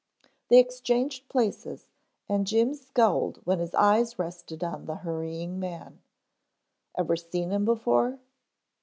They exchanged places, and Jim scowled when his eyes rested on the hurrying man. "Ever see him before?"